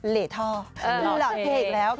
เหลธอหลักเหตุแล้ว